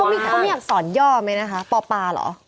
เว้ยเขาให้อักษรย่อมไหมนะคะปปหรอ